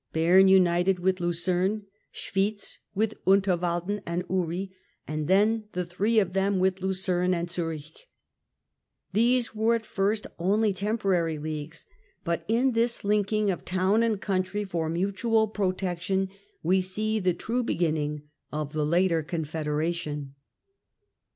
Bern united with Lucerne, Schwitz with Unterwalden and Uri, and then the three of them with Lucerne and Zurich. These were at first only temporary leagues, but in this linking of town and country for mutual protection, we see the true beginning of the later Confederation.